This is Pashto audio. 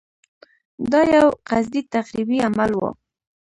دا یو قصدي تخریبي عمل و.